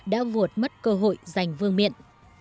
đã vượt mất cơ hội giành vương miện